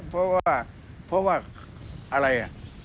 เพราะว่าอะไร